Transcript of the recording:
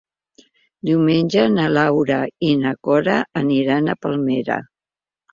Diumenge na Laura i na Cora aniran a Palmera.